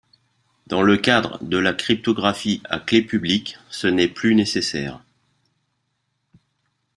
Dans le cadre de la cryptographie à clef publique, ce n'est plus nécessaire.